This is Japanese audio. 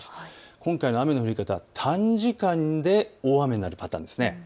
今回の雨の降り方、短時間で大雨になるパターンです。